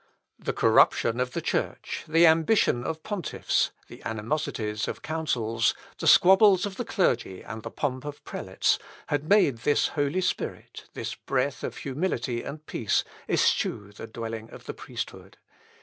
The corruption of the Church, the ambition of pontiffs, the animosities of councils, the squabbles of the clergy, and the pomp of prelates, had made this Holy Spirit, this breath of humility and peace, eschew the dwelling of the priesthood.